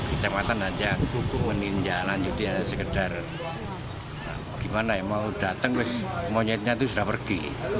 di kecamatan saja kuku meninjau lanjutnya sekedar gimana mau datang monyetnya itu sudah pergi